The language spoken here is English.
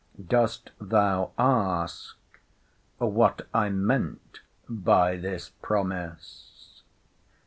Dost thou ask, What I meant by this promise?